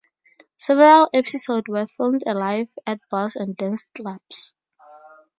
Several episodes were filmed live at bars and dance clubs.